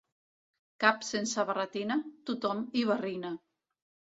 Cap sense barretina, tothom hi barrina.